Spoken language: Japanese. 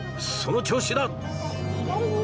その調子だ！